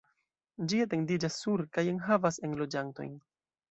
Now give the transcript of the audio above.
Ĝi etendiĝas sur kaj enhavas enloĝantojn.